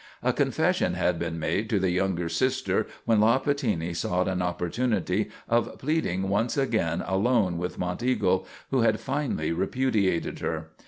A confession had been made to the younger sister when La Pattini sought an opportunity of pleading once again alone with Monteagle, who had finally repudiated her.